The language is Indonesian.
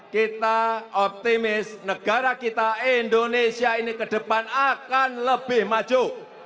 kita optimis negara kita indonesia ini ke depan akan lebih maju